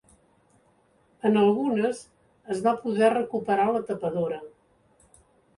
En algunes es va poder recuperar la tapadora.